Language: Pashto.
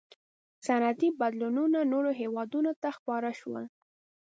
• صنعتي بدلونونه نورو هېوادونو ته خپاره شول.